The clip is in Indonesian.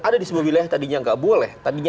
ada di sebuah wilayah tadinya nggak boleh tadinya